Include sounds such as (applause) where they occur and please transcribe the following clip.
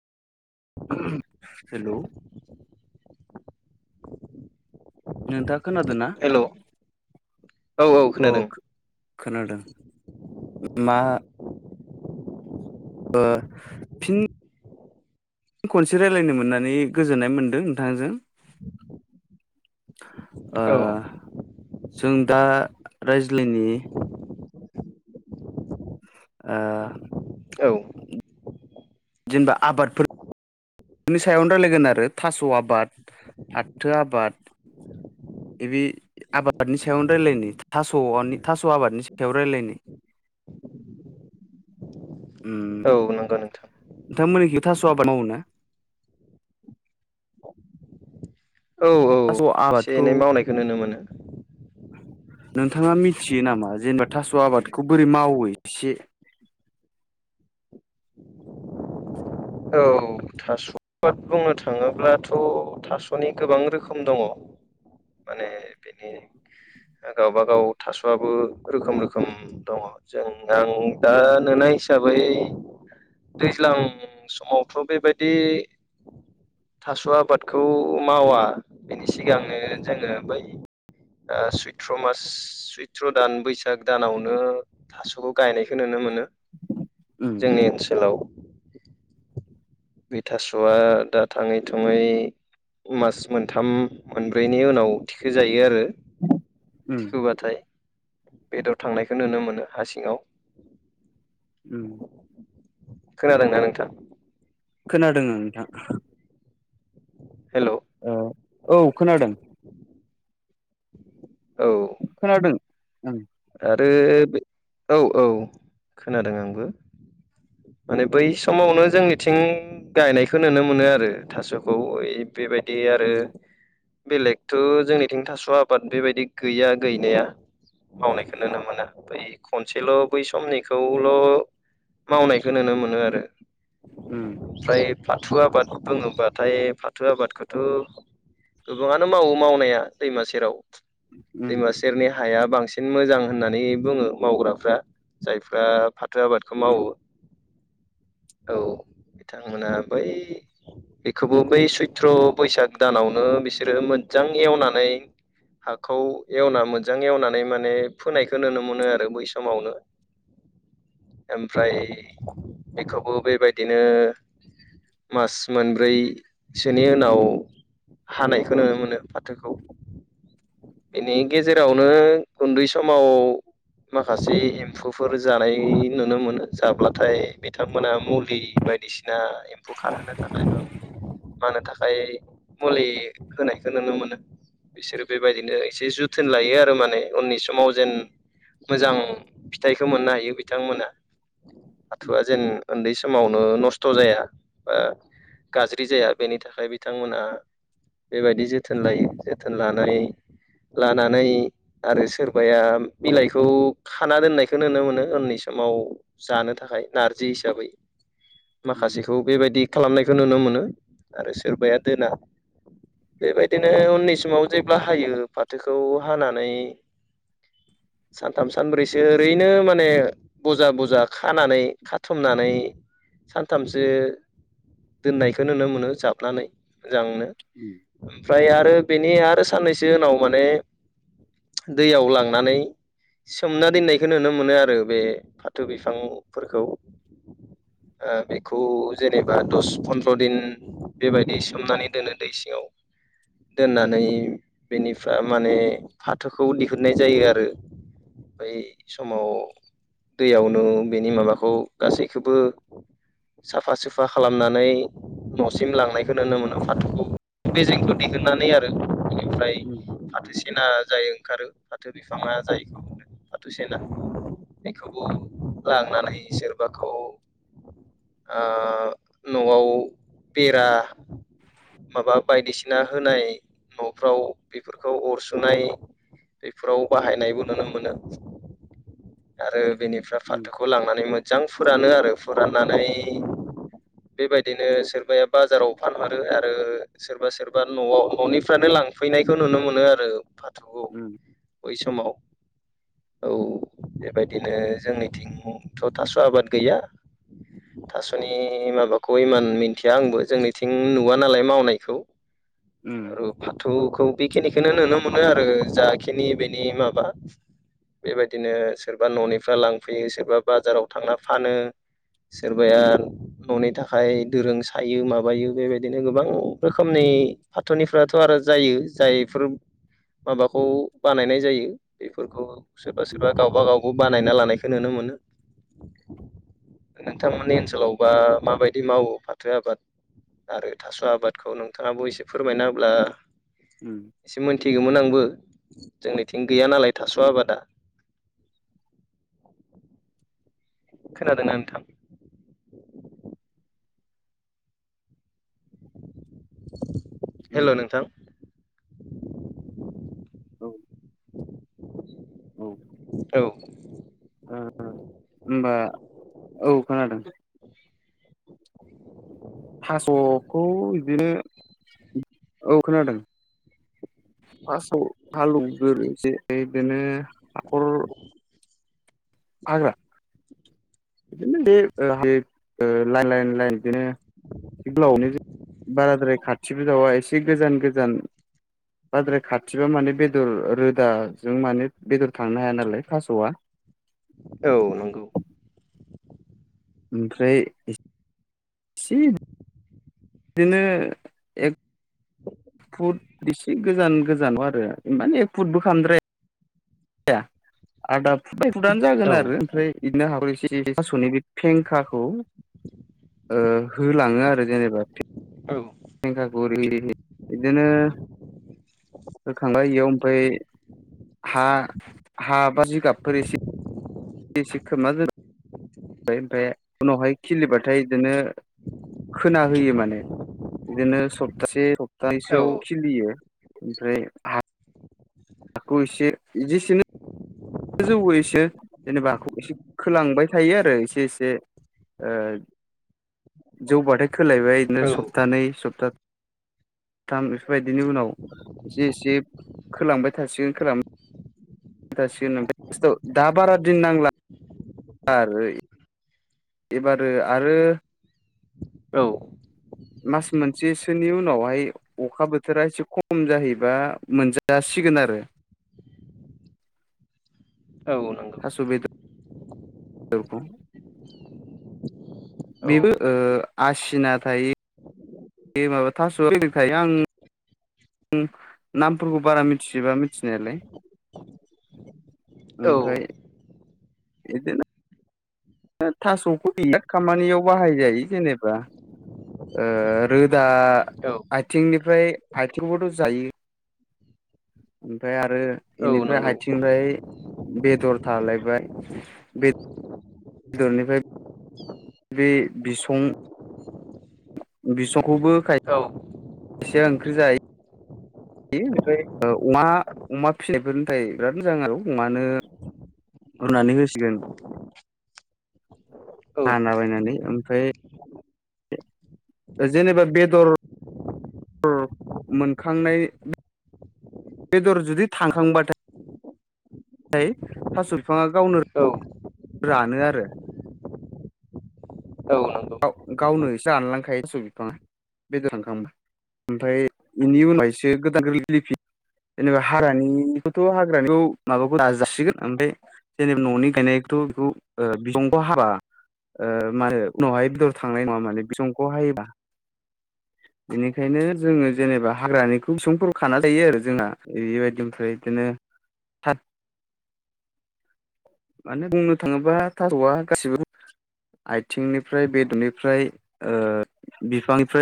हेल' नोंथाङा खोनादों ना? हेल' औ औ खोनादों अह खोनादों मा ओ फिन खनसे रायज्लायनो मोननानै गोजोननाय मोन्दों नोंथांजों। ओ औ जों दा रायज्लायनि ओ औ जेनेबा आबादफोर नि सायावनो रायजलायगोन आरो थास' आबाद फाथो आबाद बे आबादनि सायावनो रायजलायनाय थास' थास' आबादनि सायाव रायजलायनो। उम औ नंगौ नोंथां नोंथांमोननिखि थास' आाबाद मावो ना? औ औ थास' एसे आबादखौ एनै मावनायखौ नुनो मोनो। नोंथाङा मिथियो नामा जेनेबा थास' आबादखौ बोरै मावो एसे औ थास' (unintelligible) बुंनो थाङोब्लाथ' थास'नि गोबां रोखोम दङ। माने बिदि गावबागाव थास'आबो रोखोम रोखोम दङ जों आं दा नुनाय हिसाबै दैज्लां समावथ' बेबायदि थास' आबादखौ मावा बेनि सिगांनो जोङो बै ओ सैत्र' मास सैथ्र' दान बैसाग दानावनो थास' गायनायखौ नुनो मोनो। उम जोंनि ओनसोलाव बेै थास'आ दा थाङै थुङै मास मोनथाम मोनब्रैनि उनाव थिखो जायो आरो। उम होबाथाय बेदर थांनायखौ नुनो मोनो हा सिङाव। उम खोनादों नोंथा? खोनादों नोंथां। हेल' औ औ खोनादों औ खोनादोंं ओं आरो औ औ खोनादों आंबो‌ माने बै समावनो जोंनिथिं गायनायखौ नुनो मोनो आरो थास'खौ। बेबायदि आरो ओम बेलेगथ' जोंनिथिं थास' आबाद बेबायदि गैया गैनाया। मावनायखौ नुनो मोना बै खनसेल' बै समनिखौल' मावनाय खो नुनो मोनो आरो। उम ओमफ्राय फाथो आबाद बुङोबाथाय फाथो आबादखौथ' गोबाङानो मावो मावनाया दैमा सेराव ओम दैमा से जेरनि हाया बांसिन मोजां होननानै बुङो मावग्राफ्रा जायफ्रा थो आबादखौ मावो औ बिथांमोना बै बेखौबो बै सैथ्र' बैसाग दानावनो बिसोरो मोजां एवनानै हाखौ एवना मोजां एवनानै माने फोनायखौ नोनो मोनो आरो बै समावनो ओमफ्राय बेखौबो बेबायदिनो मास मोनब्रैसोनि उनाव हानायखो नुनो मोनो फाथोखौ इनि गेजेरावनो उन्दै समाव माखासे म्फौफोर जानाय नुनो मोनो जाब्ला थाय बिथांमोना मुलि बायदिसिना एम्फौ खारहोनो थाखायबो मानो थाखाय मुलि होनायखौ नुनो मोनो इसोरो बेबायदिनो एसे जुद थोन लायो आरो माने उननि समाव जेन मोजां फिथाइखौ मोननो हायो बिथांमोना हाथुआ ओम जेन उन्दै समावनो नस्थ' जाया बा ओ गाज्रि जाया बेनि थाखाय बिथांमोना बेबादि जोथोन लायो जोथोन लानाय लानानै आरो सोरबाया बिलाइखौ खाना दोननायखौ नोनो मोनो उन्दै समाव जानो थाख थाखाय नारजि हिसाबै ओम माखासेखौ बेबायदि खालामनायखौ नुनो मोनो आरो सोरबाया दोना बेबायदिनो उननि समाव जेब्ला हायो फाथोखौ हानानै सानथाम सानब्रैसो ओरैनो माने बजा बजा खानानै खाथुमनानै सानथामसो दोननायखौ नुनो मोनो जाबनानै मोजांनो उम ओमफ्राय आरो बेनि आरो साननैसो उनाव माने दैयाव लांनानै सोमना दोननायखौ नुनो मोनो आरो बे फाथो बिफांफोरखौ ओ बेखौ जेनेबा दस फन्द्र' दिन बेबायदि सोमनानै दोनो दै सिङाव दोननानै बेनिफ्राय माने फाथोखौ दिहुननाय जायो आरो बै समाव दैयावनो बेनि माबाखौ गासैखौबो साफा सुफा खालामनानै न'सिम लांनायखौ नुनो मोनो फाथोखौ बे जेंखौ दिहुननानै आरो बेनिफ्राय ओम फाथो सेना जायो। खारो फाथो बिफाङा जायखौ बुंनो फाथो सेना बेखौबो लांनानै सोरबाखौ आ न'आव बेरा माबा बायदिसिना होनाय न'फ्राव बेफोरखौ अर सुनाय बेफोराव बाहायनायबो नुनो मोनो आरो बेनिफ्राय फा ओम लांनानै मोजां फोरानो आरो फोराननानै बेबादिनो सोरबाया बाजाराव फानहरो आरो सोरबा सोरबा न'आव न'निफ्रानो लांफैनायखौ नुनो मोनो आरो बै समाव औ बेबायदिनो जोंनि थिं थ थास' आबाद गैया। (inaudible) थास'नि माबाखौहाय मान मिथिया आंबो जोंनिथिं नुव नालाय मावनायखौ उम आरो फाथौखौ बेखिनिखोनो नुनो मोनो आरो जाखिनि बेनि माबा बेबायदिनो सोरबा न'निफ्राय लांफैयो सोरबा बाजाराव थांना फानो। सोरबाया। न'नि थाखाय दोरों सायो माबायो बेबायदिनो गोबां रोखोमनि। फाथोनिफथ' आरो जायो जायफोर माबाखौ बानायनाय जायो बेफोरखौ। सोरबा सोरबा गावबा गाव बानायना लानायखौ नुनो मोनो। नोंथांमोननि ओनसोलावबा माबायदि मावो फाथो आबाद। आरो थास' आबादखौ नोंथाङाबो एसे फोरमायना होब्ला। उम। एसे मोनथिगौमोन आंबो जोंनिथिं गैया नालाय थास' आबादा। खोनादोंना नोंथां। ओम ओम हेल' नोंथां। औ। औ। होनबा औ खोनादों। थास'खौ बिदिनो। औ खोनादों। फासआव हालौवगोरो (unintelligible) (unintelligible) हाखर (unintelligible) (inaudible) हाग्रा बिदिनो बे ओ लाइन लाइन बिदिनो (unintelligible) (unintelligible) बाराद्राय खाथिबोजावा एसे गोजान गोजान (unintelligible) बाद्राय खाथिबा माने बेदर रोदाजों माने बेदर थांनो हाया नालाय थास'आ। औ नंगौ। ओमफ्राय। (unintelligible) (inaudible) बिदिनो। इसे गोजान गोजानाव आरो मानि एक फुट बो खालामद्राय। आदा फुदानो जागोन औ आरो ओमफ्राय (unintelligible) बिदिनो हागर एसे थास'नि बे फेंखाखौ (unintelligible) (inaudible) ओ‌‌ होलाङो आरो जेनेबा औ। फेंखाखौ (unintelligible) (unintelligible) बिदिनो (unintelligible) होखांबाय बेयाव ओमफ्राय हा बा जिगाबफोर एसे (unintelligible) खोबना ओमफ्राय उनावहाय खिलिबाथाय बिदिनो खोना होयो माने बिदिनो सप्तासे औ (unintelligible) आव खिलियो ओमफ्राय (unintelligible) (unintelligible) (unintelligible) जौ इसे जेनेबाखौ एसे खोलांबाय थायो आरो एसे एसे ओ जौबाथाय खोलायबाय बिदिनो सप्तानै सप्ता बेफोरबायदिनि उनाव एसे एसे खोलांबाय थासिगोन सिगोन। दा बारा दिन नांला आरो। एबारो आरो। औ मास मोनसेसोनि उनावहाय। अखा बोथोरा एसे खम जाहैबा मोनजासिगोन आरो। औ। नंगौ थास' (unintelligible) (unintelligible) औ बेबो ओ आसिना थायो। ए माबा थास'आ (unintelligible) फैखायो आं नामफोरखौ बारा मिथिजोबा मिथिनायालाय। औ ओमफ्राय बिदिनो थास'खौ बिराद खामानियाव बाहायजायो जेनेबा रोदा औ आथिंनिफ्राय आथिंबोथ' जायो ओमफ्राय आरो औ इनिफ्राय नंगौ आथिंफ्राय बेदर थालायबाय बे बेदरनिफ्राय बे बिसं बिसंखौबो खाय औ एसे ओंख्रि जायो बे ओमफ्राय ओ अमा अमा फिनायफोरनि थाखाय बिराद मोजां आरो अमानो रुनानै होसिगोन औ हाना बायनानै ओमफ्राय जेनेबा बेदर (unintelligible) मोनखांनाय बेदर जुदि थांखांबाथाय ओफ्राय थास' बिफाङा गावनो औ रानो आरो औ नंगौ गावनो (unintelligible) रानलांखायो थास' बिफाङा बेदर (unintelligible) ओमफ्राय बेनि उनाव एसे गोदान गोरलै खिलिफिन जेनेबा हाग्रानिखौथ' हाग्रानिखौ माबाखौ नाजासिगोन ओमफ्राय जेनेबा न'नि गायनायथ' बेखौ बिसंखौ हाबा मा होनो उनावहाय बेदर थांनाय नङा माने बिसंखौ हायोबा बेनिखायनो जोङो जेनेबा हाग्रानिखौ बिसंफोरखौ खाना जायो आरो जोंहा बेबायदि ओफ्राय बिदिनो माने बुंनो थाङोबा थास'आ गासिबो आथिंनिफ्राय बेदरनिफ्राय ओ बिफांनिफ्राय